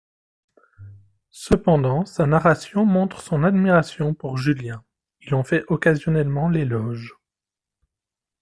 Cependant, sa narration montre son admiration pour Julien, il en fait occasionnellement l'éloge.